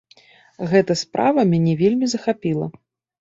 Гэта справа мяне вельмі захапіла.